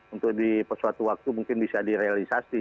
untuk di suatu waktu mungkin bisa direalisasi